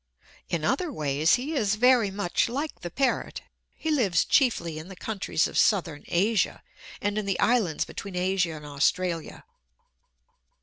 In other ways he is very much like the parrot. He lives chiefly in the countries of southern Asia, and in the islands between Asia and Australia.